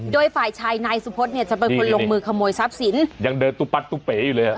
โดยฝ่ายชายนายสุพธเนี่ยจะเป็นคนลงมือขโมยทรัพย์สินยังเดินตุ๊ปัดตุ๊เป๋อยู่เลยอ่ะ